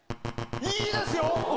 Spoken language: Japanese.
いいですよ！